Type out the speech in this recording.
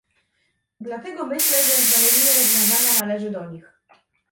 Dlatego myślę, że znalezienie rozwiązania należy do nich